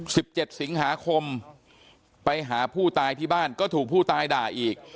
สิบเจ็ดสิงหาคมไปหาผู้ตายที่บ้านก็ถูกผู้ตายด่าอีก